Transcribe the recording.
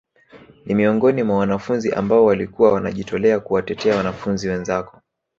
Ni miongoni mwa wanafunzi ambao walikuwa wanajitolea kuwatetea wanafunzi wenzako